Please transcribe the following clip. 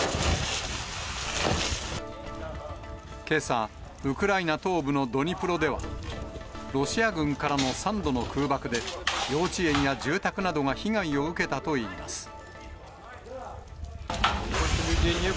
けさ、ウクライナ東部のドニプロでは、ロシア軍からの３度の空爆で、幼稚園や住宅などが被害を受けたといいます。